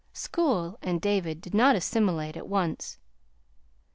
School and David did not assimilate at once.